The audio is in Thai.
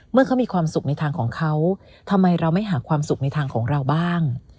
เมื่อเขามีความสุขในทางของเขาทำไมเราไม่หาความสุขในทางของเราบ้าง